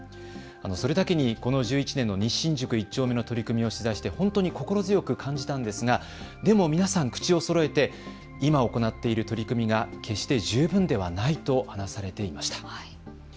それだけにこの１１年の西新宿１丁目の取り組みを取材して本当に心強く感じたんですがでも皆さん口をそろえて今、行っている取り組みが決して十分ではないと話されていました。